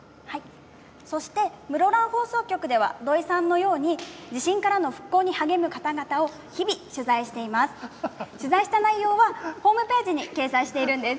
室蘭放送局では土居さんの様に地震からの復興に励む方々を日々、取材しています。